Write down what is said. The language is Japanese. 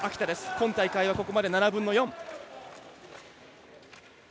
今大会はここまで７分の４。